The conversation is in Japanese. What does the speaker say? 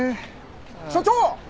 所長！